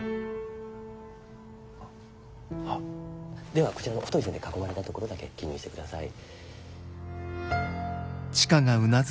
ではこちらの太い線で囲まれたところだけ記入してください。